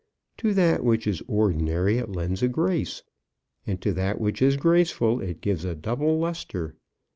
To that which is ordinary it lends a grace; and to that which is graceful it gives a double lustre.